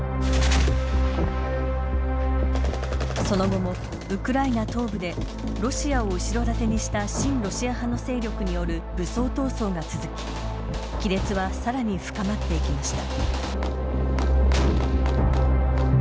その後も、ウクライナ東部でロシアを後ろ盾にした親ロシア派の勢力による武装闘争が続き亀裂はさらに深まっていきました。